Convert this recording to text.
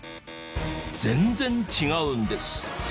全然違うんです。